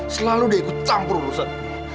selalu dia ikut campur urusan